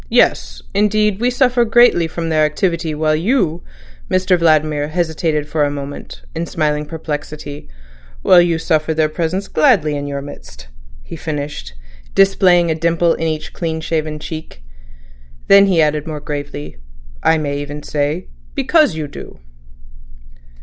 Yes; indeed, we suffer greatly from their activity, while you"—Mr Vladimir hesitated for a moment, in smiling perplexity—"while you suffer their presence gladly in your midst," he finished, displaying a dimple on each clean shaven cheek. Then he added more gravely: "I may even say—because you do."